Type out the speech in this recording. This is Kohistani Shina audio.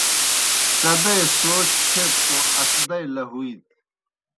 کدئی سوچ تھیت توْ اسدئی لہُویت